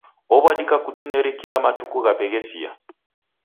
Ow'adika kutineri kila matuku ghape ghesia.